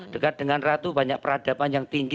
dekat dengan ratu banyak peradaban yang tinggi